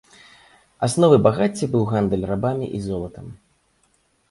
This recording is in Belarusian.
Асновай багацця быў гандаль рабамі і золатам.